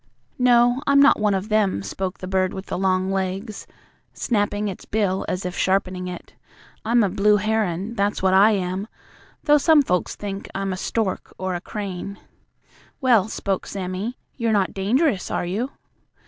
"No, I'm not one of them," spoke the bird with the long legs, snapping its bill as if sharpening it. "I'm a blue heron, that's what I am, though some folks think I'm a stork or a crane." "Well," spoke Sammie, "you're not dangerous, are you?"